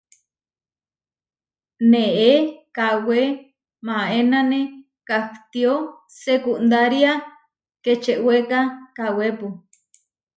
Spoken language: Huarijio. Neé kawé maénane kahtió sekundária kečewéka kawépu.